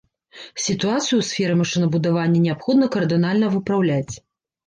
Сітуацыю ў сферы машынабудавання неабходна кардынальна выпраўляць.